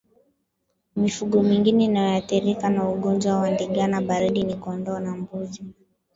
Mifugo mingine inayoathirika na ugonjwa wa ndigana baridi ni kondoo na mbuzi